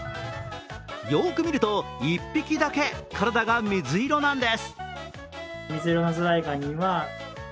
よく見ると、１匹だけ体が水色なんです。